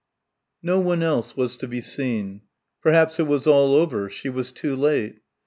19 No one else was to be seen. Perhaps it was all over. She was too late.